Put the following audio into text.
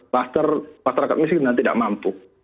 pasar pasar agak miskin dan tidak mampu